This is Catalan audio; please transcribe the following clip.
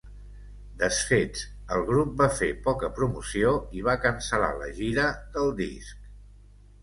Desfets, el grup va fer poca promoció i va cancel·lar la gira del disc.